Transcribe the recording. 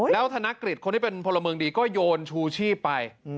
แล้วธนกฤษคนที่เป็นพลเมืองดีก็โยนชูชีพไป